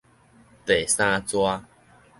第三逝